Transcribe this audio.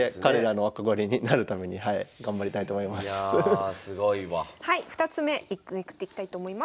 はい２つ目めくっていきたいと思います。